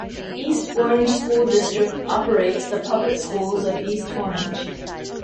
East Orange School District operates the public schools of East Orange.